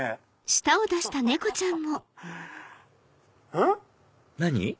うん？何？